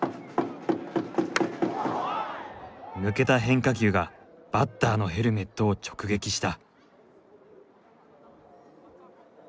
抜けた変化球がバッターのヘルメットを直撃した。